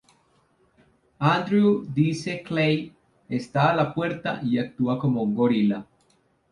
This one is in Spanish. Andrew Dice Clay está a la puerta y actúa como un gorila.